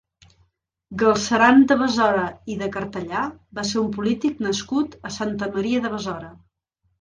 Galceran de Besora i de Cartellà va ser un polític nascut a Santa Maria de Besora.